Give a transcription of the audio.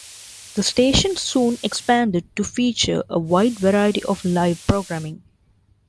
The station soon expanded to feature a wide variety of live programming.